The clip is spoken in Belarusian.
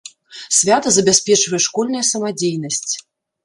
Свята забяспечвае школьная самадзейнасць.